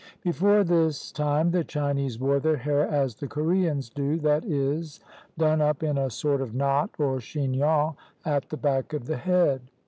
Before this time, the Chinese wore their hair as the Koreans do, that is, done up in a sort of knot or chignon at the back of the head.